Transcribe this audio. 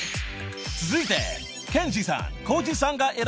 ［続いて］